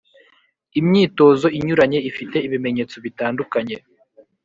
Imyitozo inyuranye ifite ibimenyetso bitandukanye